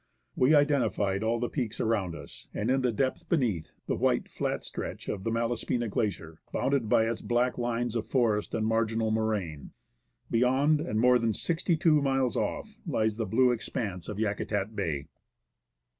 We identify all the peaks around us, and in the depth beneath, the white, flat stretch of the Malaspina Glacier, bounded by its black lines of forest and marginal moraine. Beyond, and rmore than 62 miles off, lies the blue expanse of Yakutat Bay.